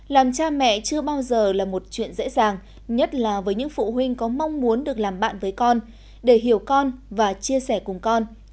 làm cha mẹ chưa bao giờ là một chuyện dễ dàng nhất là với những phụ huynh có mong muốn được làm bạn với con để hiểu con và chia sẻ cùng con